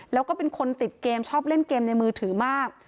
แล้วก็เป็นคนติดเกมชอบเล่นเกมในมือถือมาก